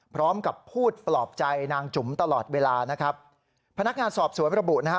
พร้อมกับพูดปลอบใจนางจุ๋มตลอดเวลานะครับพนักงานสอบสวนระบุนะฮะ